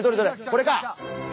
これか！